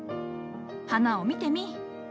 花を見てみい。